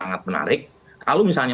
sangat menarik kalau misalnya